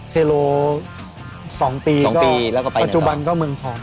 เทโล๒ปีปัจจุบันก็เมืองทอง